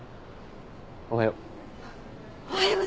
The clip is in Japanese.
おはよう。